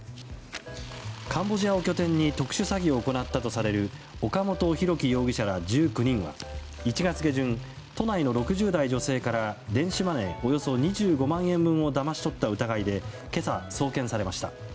カンボジアを拠点に特殊詐欺を行ったとされる岡本大樹容疑者ら１９人は１月下旬、都内の６０代女性から電子マネーおよそ２５万円分をだまし取った疑いで今朝、送検されました。